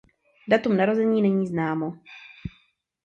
Datum narození není známo.